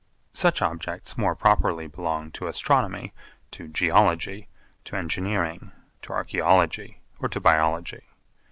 Such objects more properly belong to Astronomy, to Geology, to Engineering, to Archaeology, or to Biology.